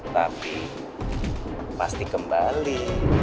tapi pasti kembali